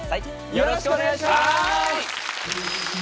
よろしくお願いします！